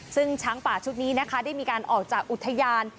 ซึ่งช้างป่าชุดนี้นะคะได้มีการออกจากอุทยาน